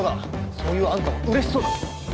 そういうあんたも嬉しそうだぞ。